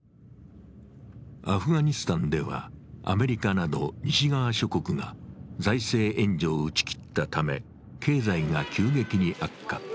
アフガニスタンではアメリカなど西側諸国が財政援助を打ち切ったため、経済が急激に悪化。